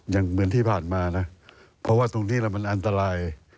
อย่างเหมือนที่ผ่านมานะเพราะว่าตรงนี้มันอันตราย